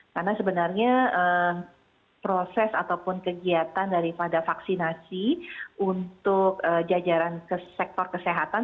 karena sebenarnya proses ataupun kegiatan daripada vaksinasi untuk jajaran sektor kesehatan